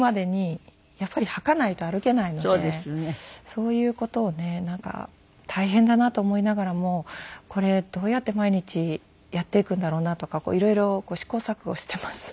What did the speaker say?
そういう事をねなんか大変だなと思いながらもこれどうやって毎日やっていくんだろうなとか色々試行錯誤しています。